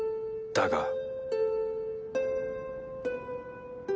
だが。